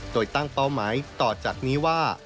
โดยตั้งเป้าหมายต่อจากนี้ว่า